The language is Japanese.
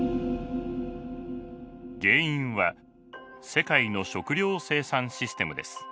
原因は世界の食料生産システムです。